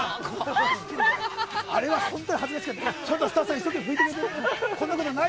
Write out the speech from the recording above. あれは本当に恥ずかしかった。